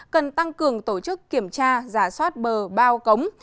cần tăng cường tổ chức kiểm tra giả soát bờ bao cống